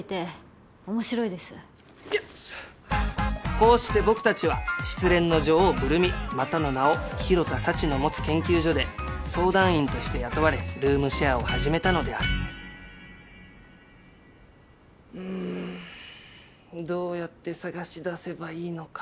こうして僕たちは失恋の女王・ブル美またの名を弘田佐知の持つ研究所で相談員として雇われルームシェアを始めたのである現在んどうやって捜し出せばいいのか。